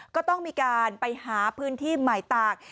ก็ต้องมีการไปหาพื้นที่ใหม่ตาก